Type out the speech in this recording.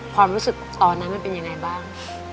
ความรู้สึกตอนนั้นความรู้สึกยังไงบ้าง